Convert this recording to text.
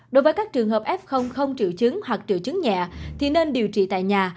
đối với các trường hợp f không triệu chứng hoặc triệu chứng nhẹ thì nên điều trị tại nhà